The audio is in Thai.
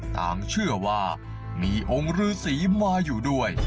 ตังค์เชื่อว่ามีองค์ลื้อสีมาอยู่ด้วย